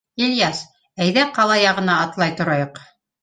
— Ильяс, әйҙә ҡала яғына атлай торайыҡ.